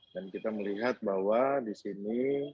dan kita melihat bahwa disini